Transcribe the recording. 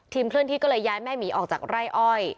เคลื่อนที่ก็เลยย้ายแม่หมีออกจากไร่อ้อย